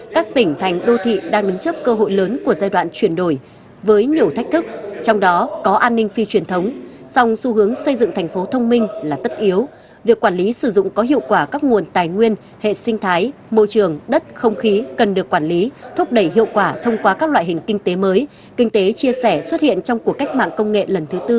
các tỉnh thành đô thị đang đứng chấp cơ hội lớn của giai đoạn chuyển đổi với nhiều thách thức trong đó có an ninh phi truyền thống song xu hướng xây dựng thành phố thông minh là tất yếu việc quản lý sử dụng có hiệu quả các nguồn tài nguyên hệ sinh thái môi trường đất không khí cần được quản lý thúc đẩy hiệu quả thông qua các loại hình kinh tế mới kinh tế chia sẻ xuất hiện trong cuộc cách mạng công nghệ lần thứ tư bốn